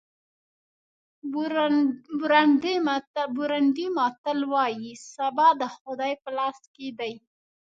بورونډي متل وایي سبا د خدای په لاس کې دی.